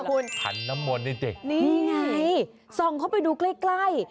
ผันน้ำมนต์อินทริคนี่ไงซองเข้าไปดูใกล้